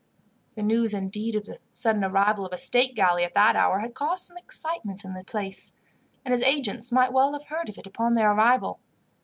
"The news, indeed, of the sudden arrival of a state galley, at that hour, had caused some excitement in the place, and his agents might well have heard of it upon their arrival.